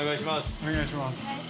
お願いします